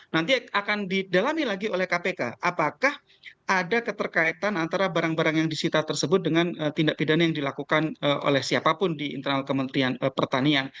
nanti akan didalami lagi oleh kpk apakah ada keterkaitan antara barang barang yang disita tersebut dengan tindak pidana yang dilakukan oleh siapapun di internal kementerian pertanian